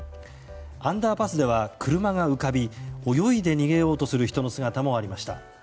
アンダーパスでは車が浮かび泳いで逃げようとする人の姿もありました。